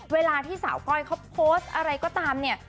เวลาที่สาวก้อยเขาโพสต์อะไรก็ตามเนี่ย